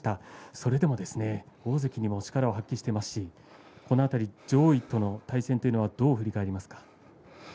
それでも大関にも力を発揮していますしこの辺り、上位との対戦というのは、どう振り返りますか。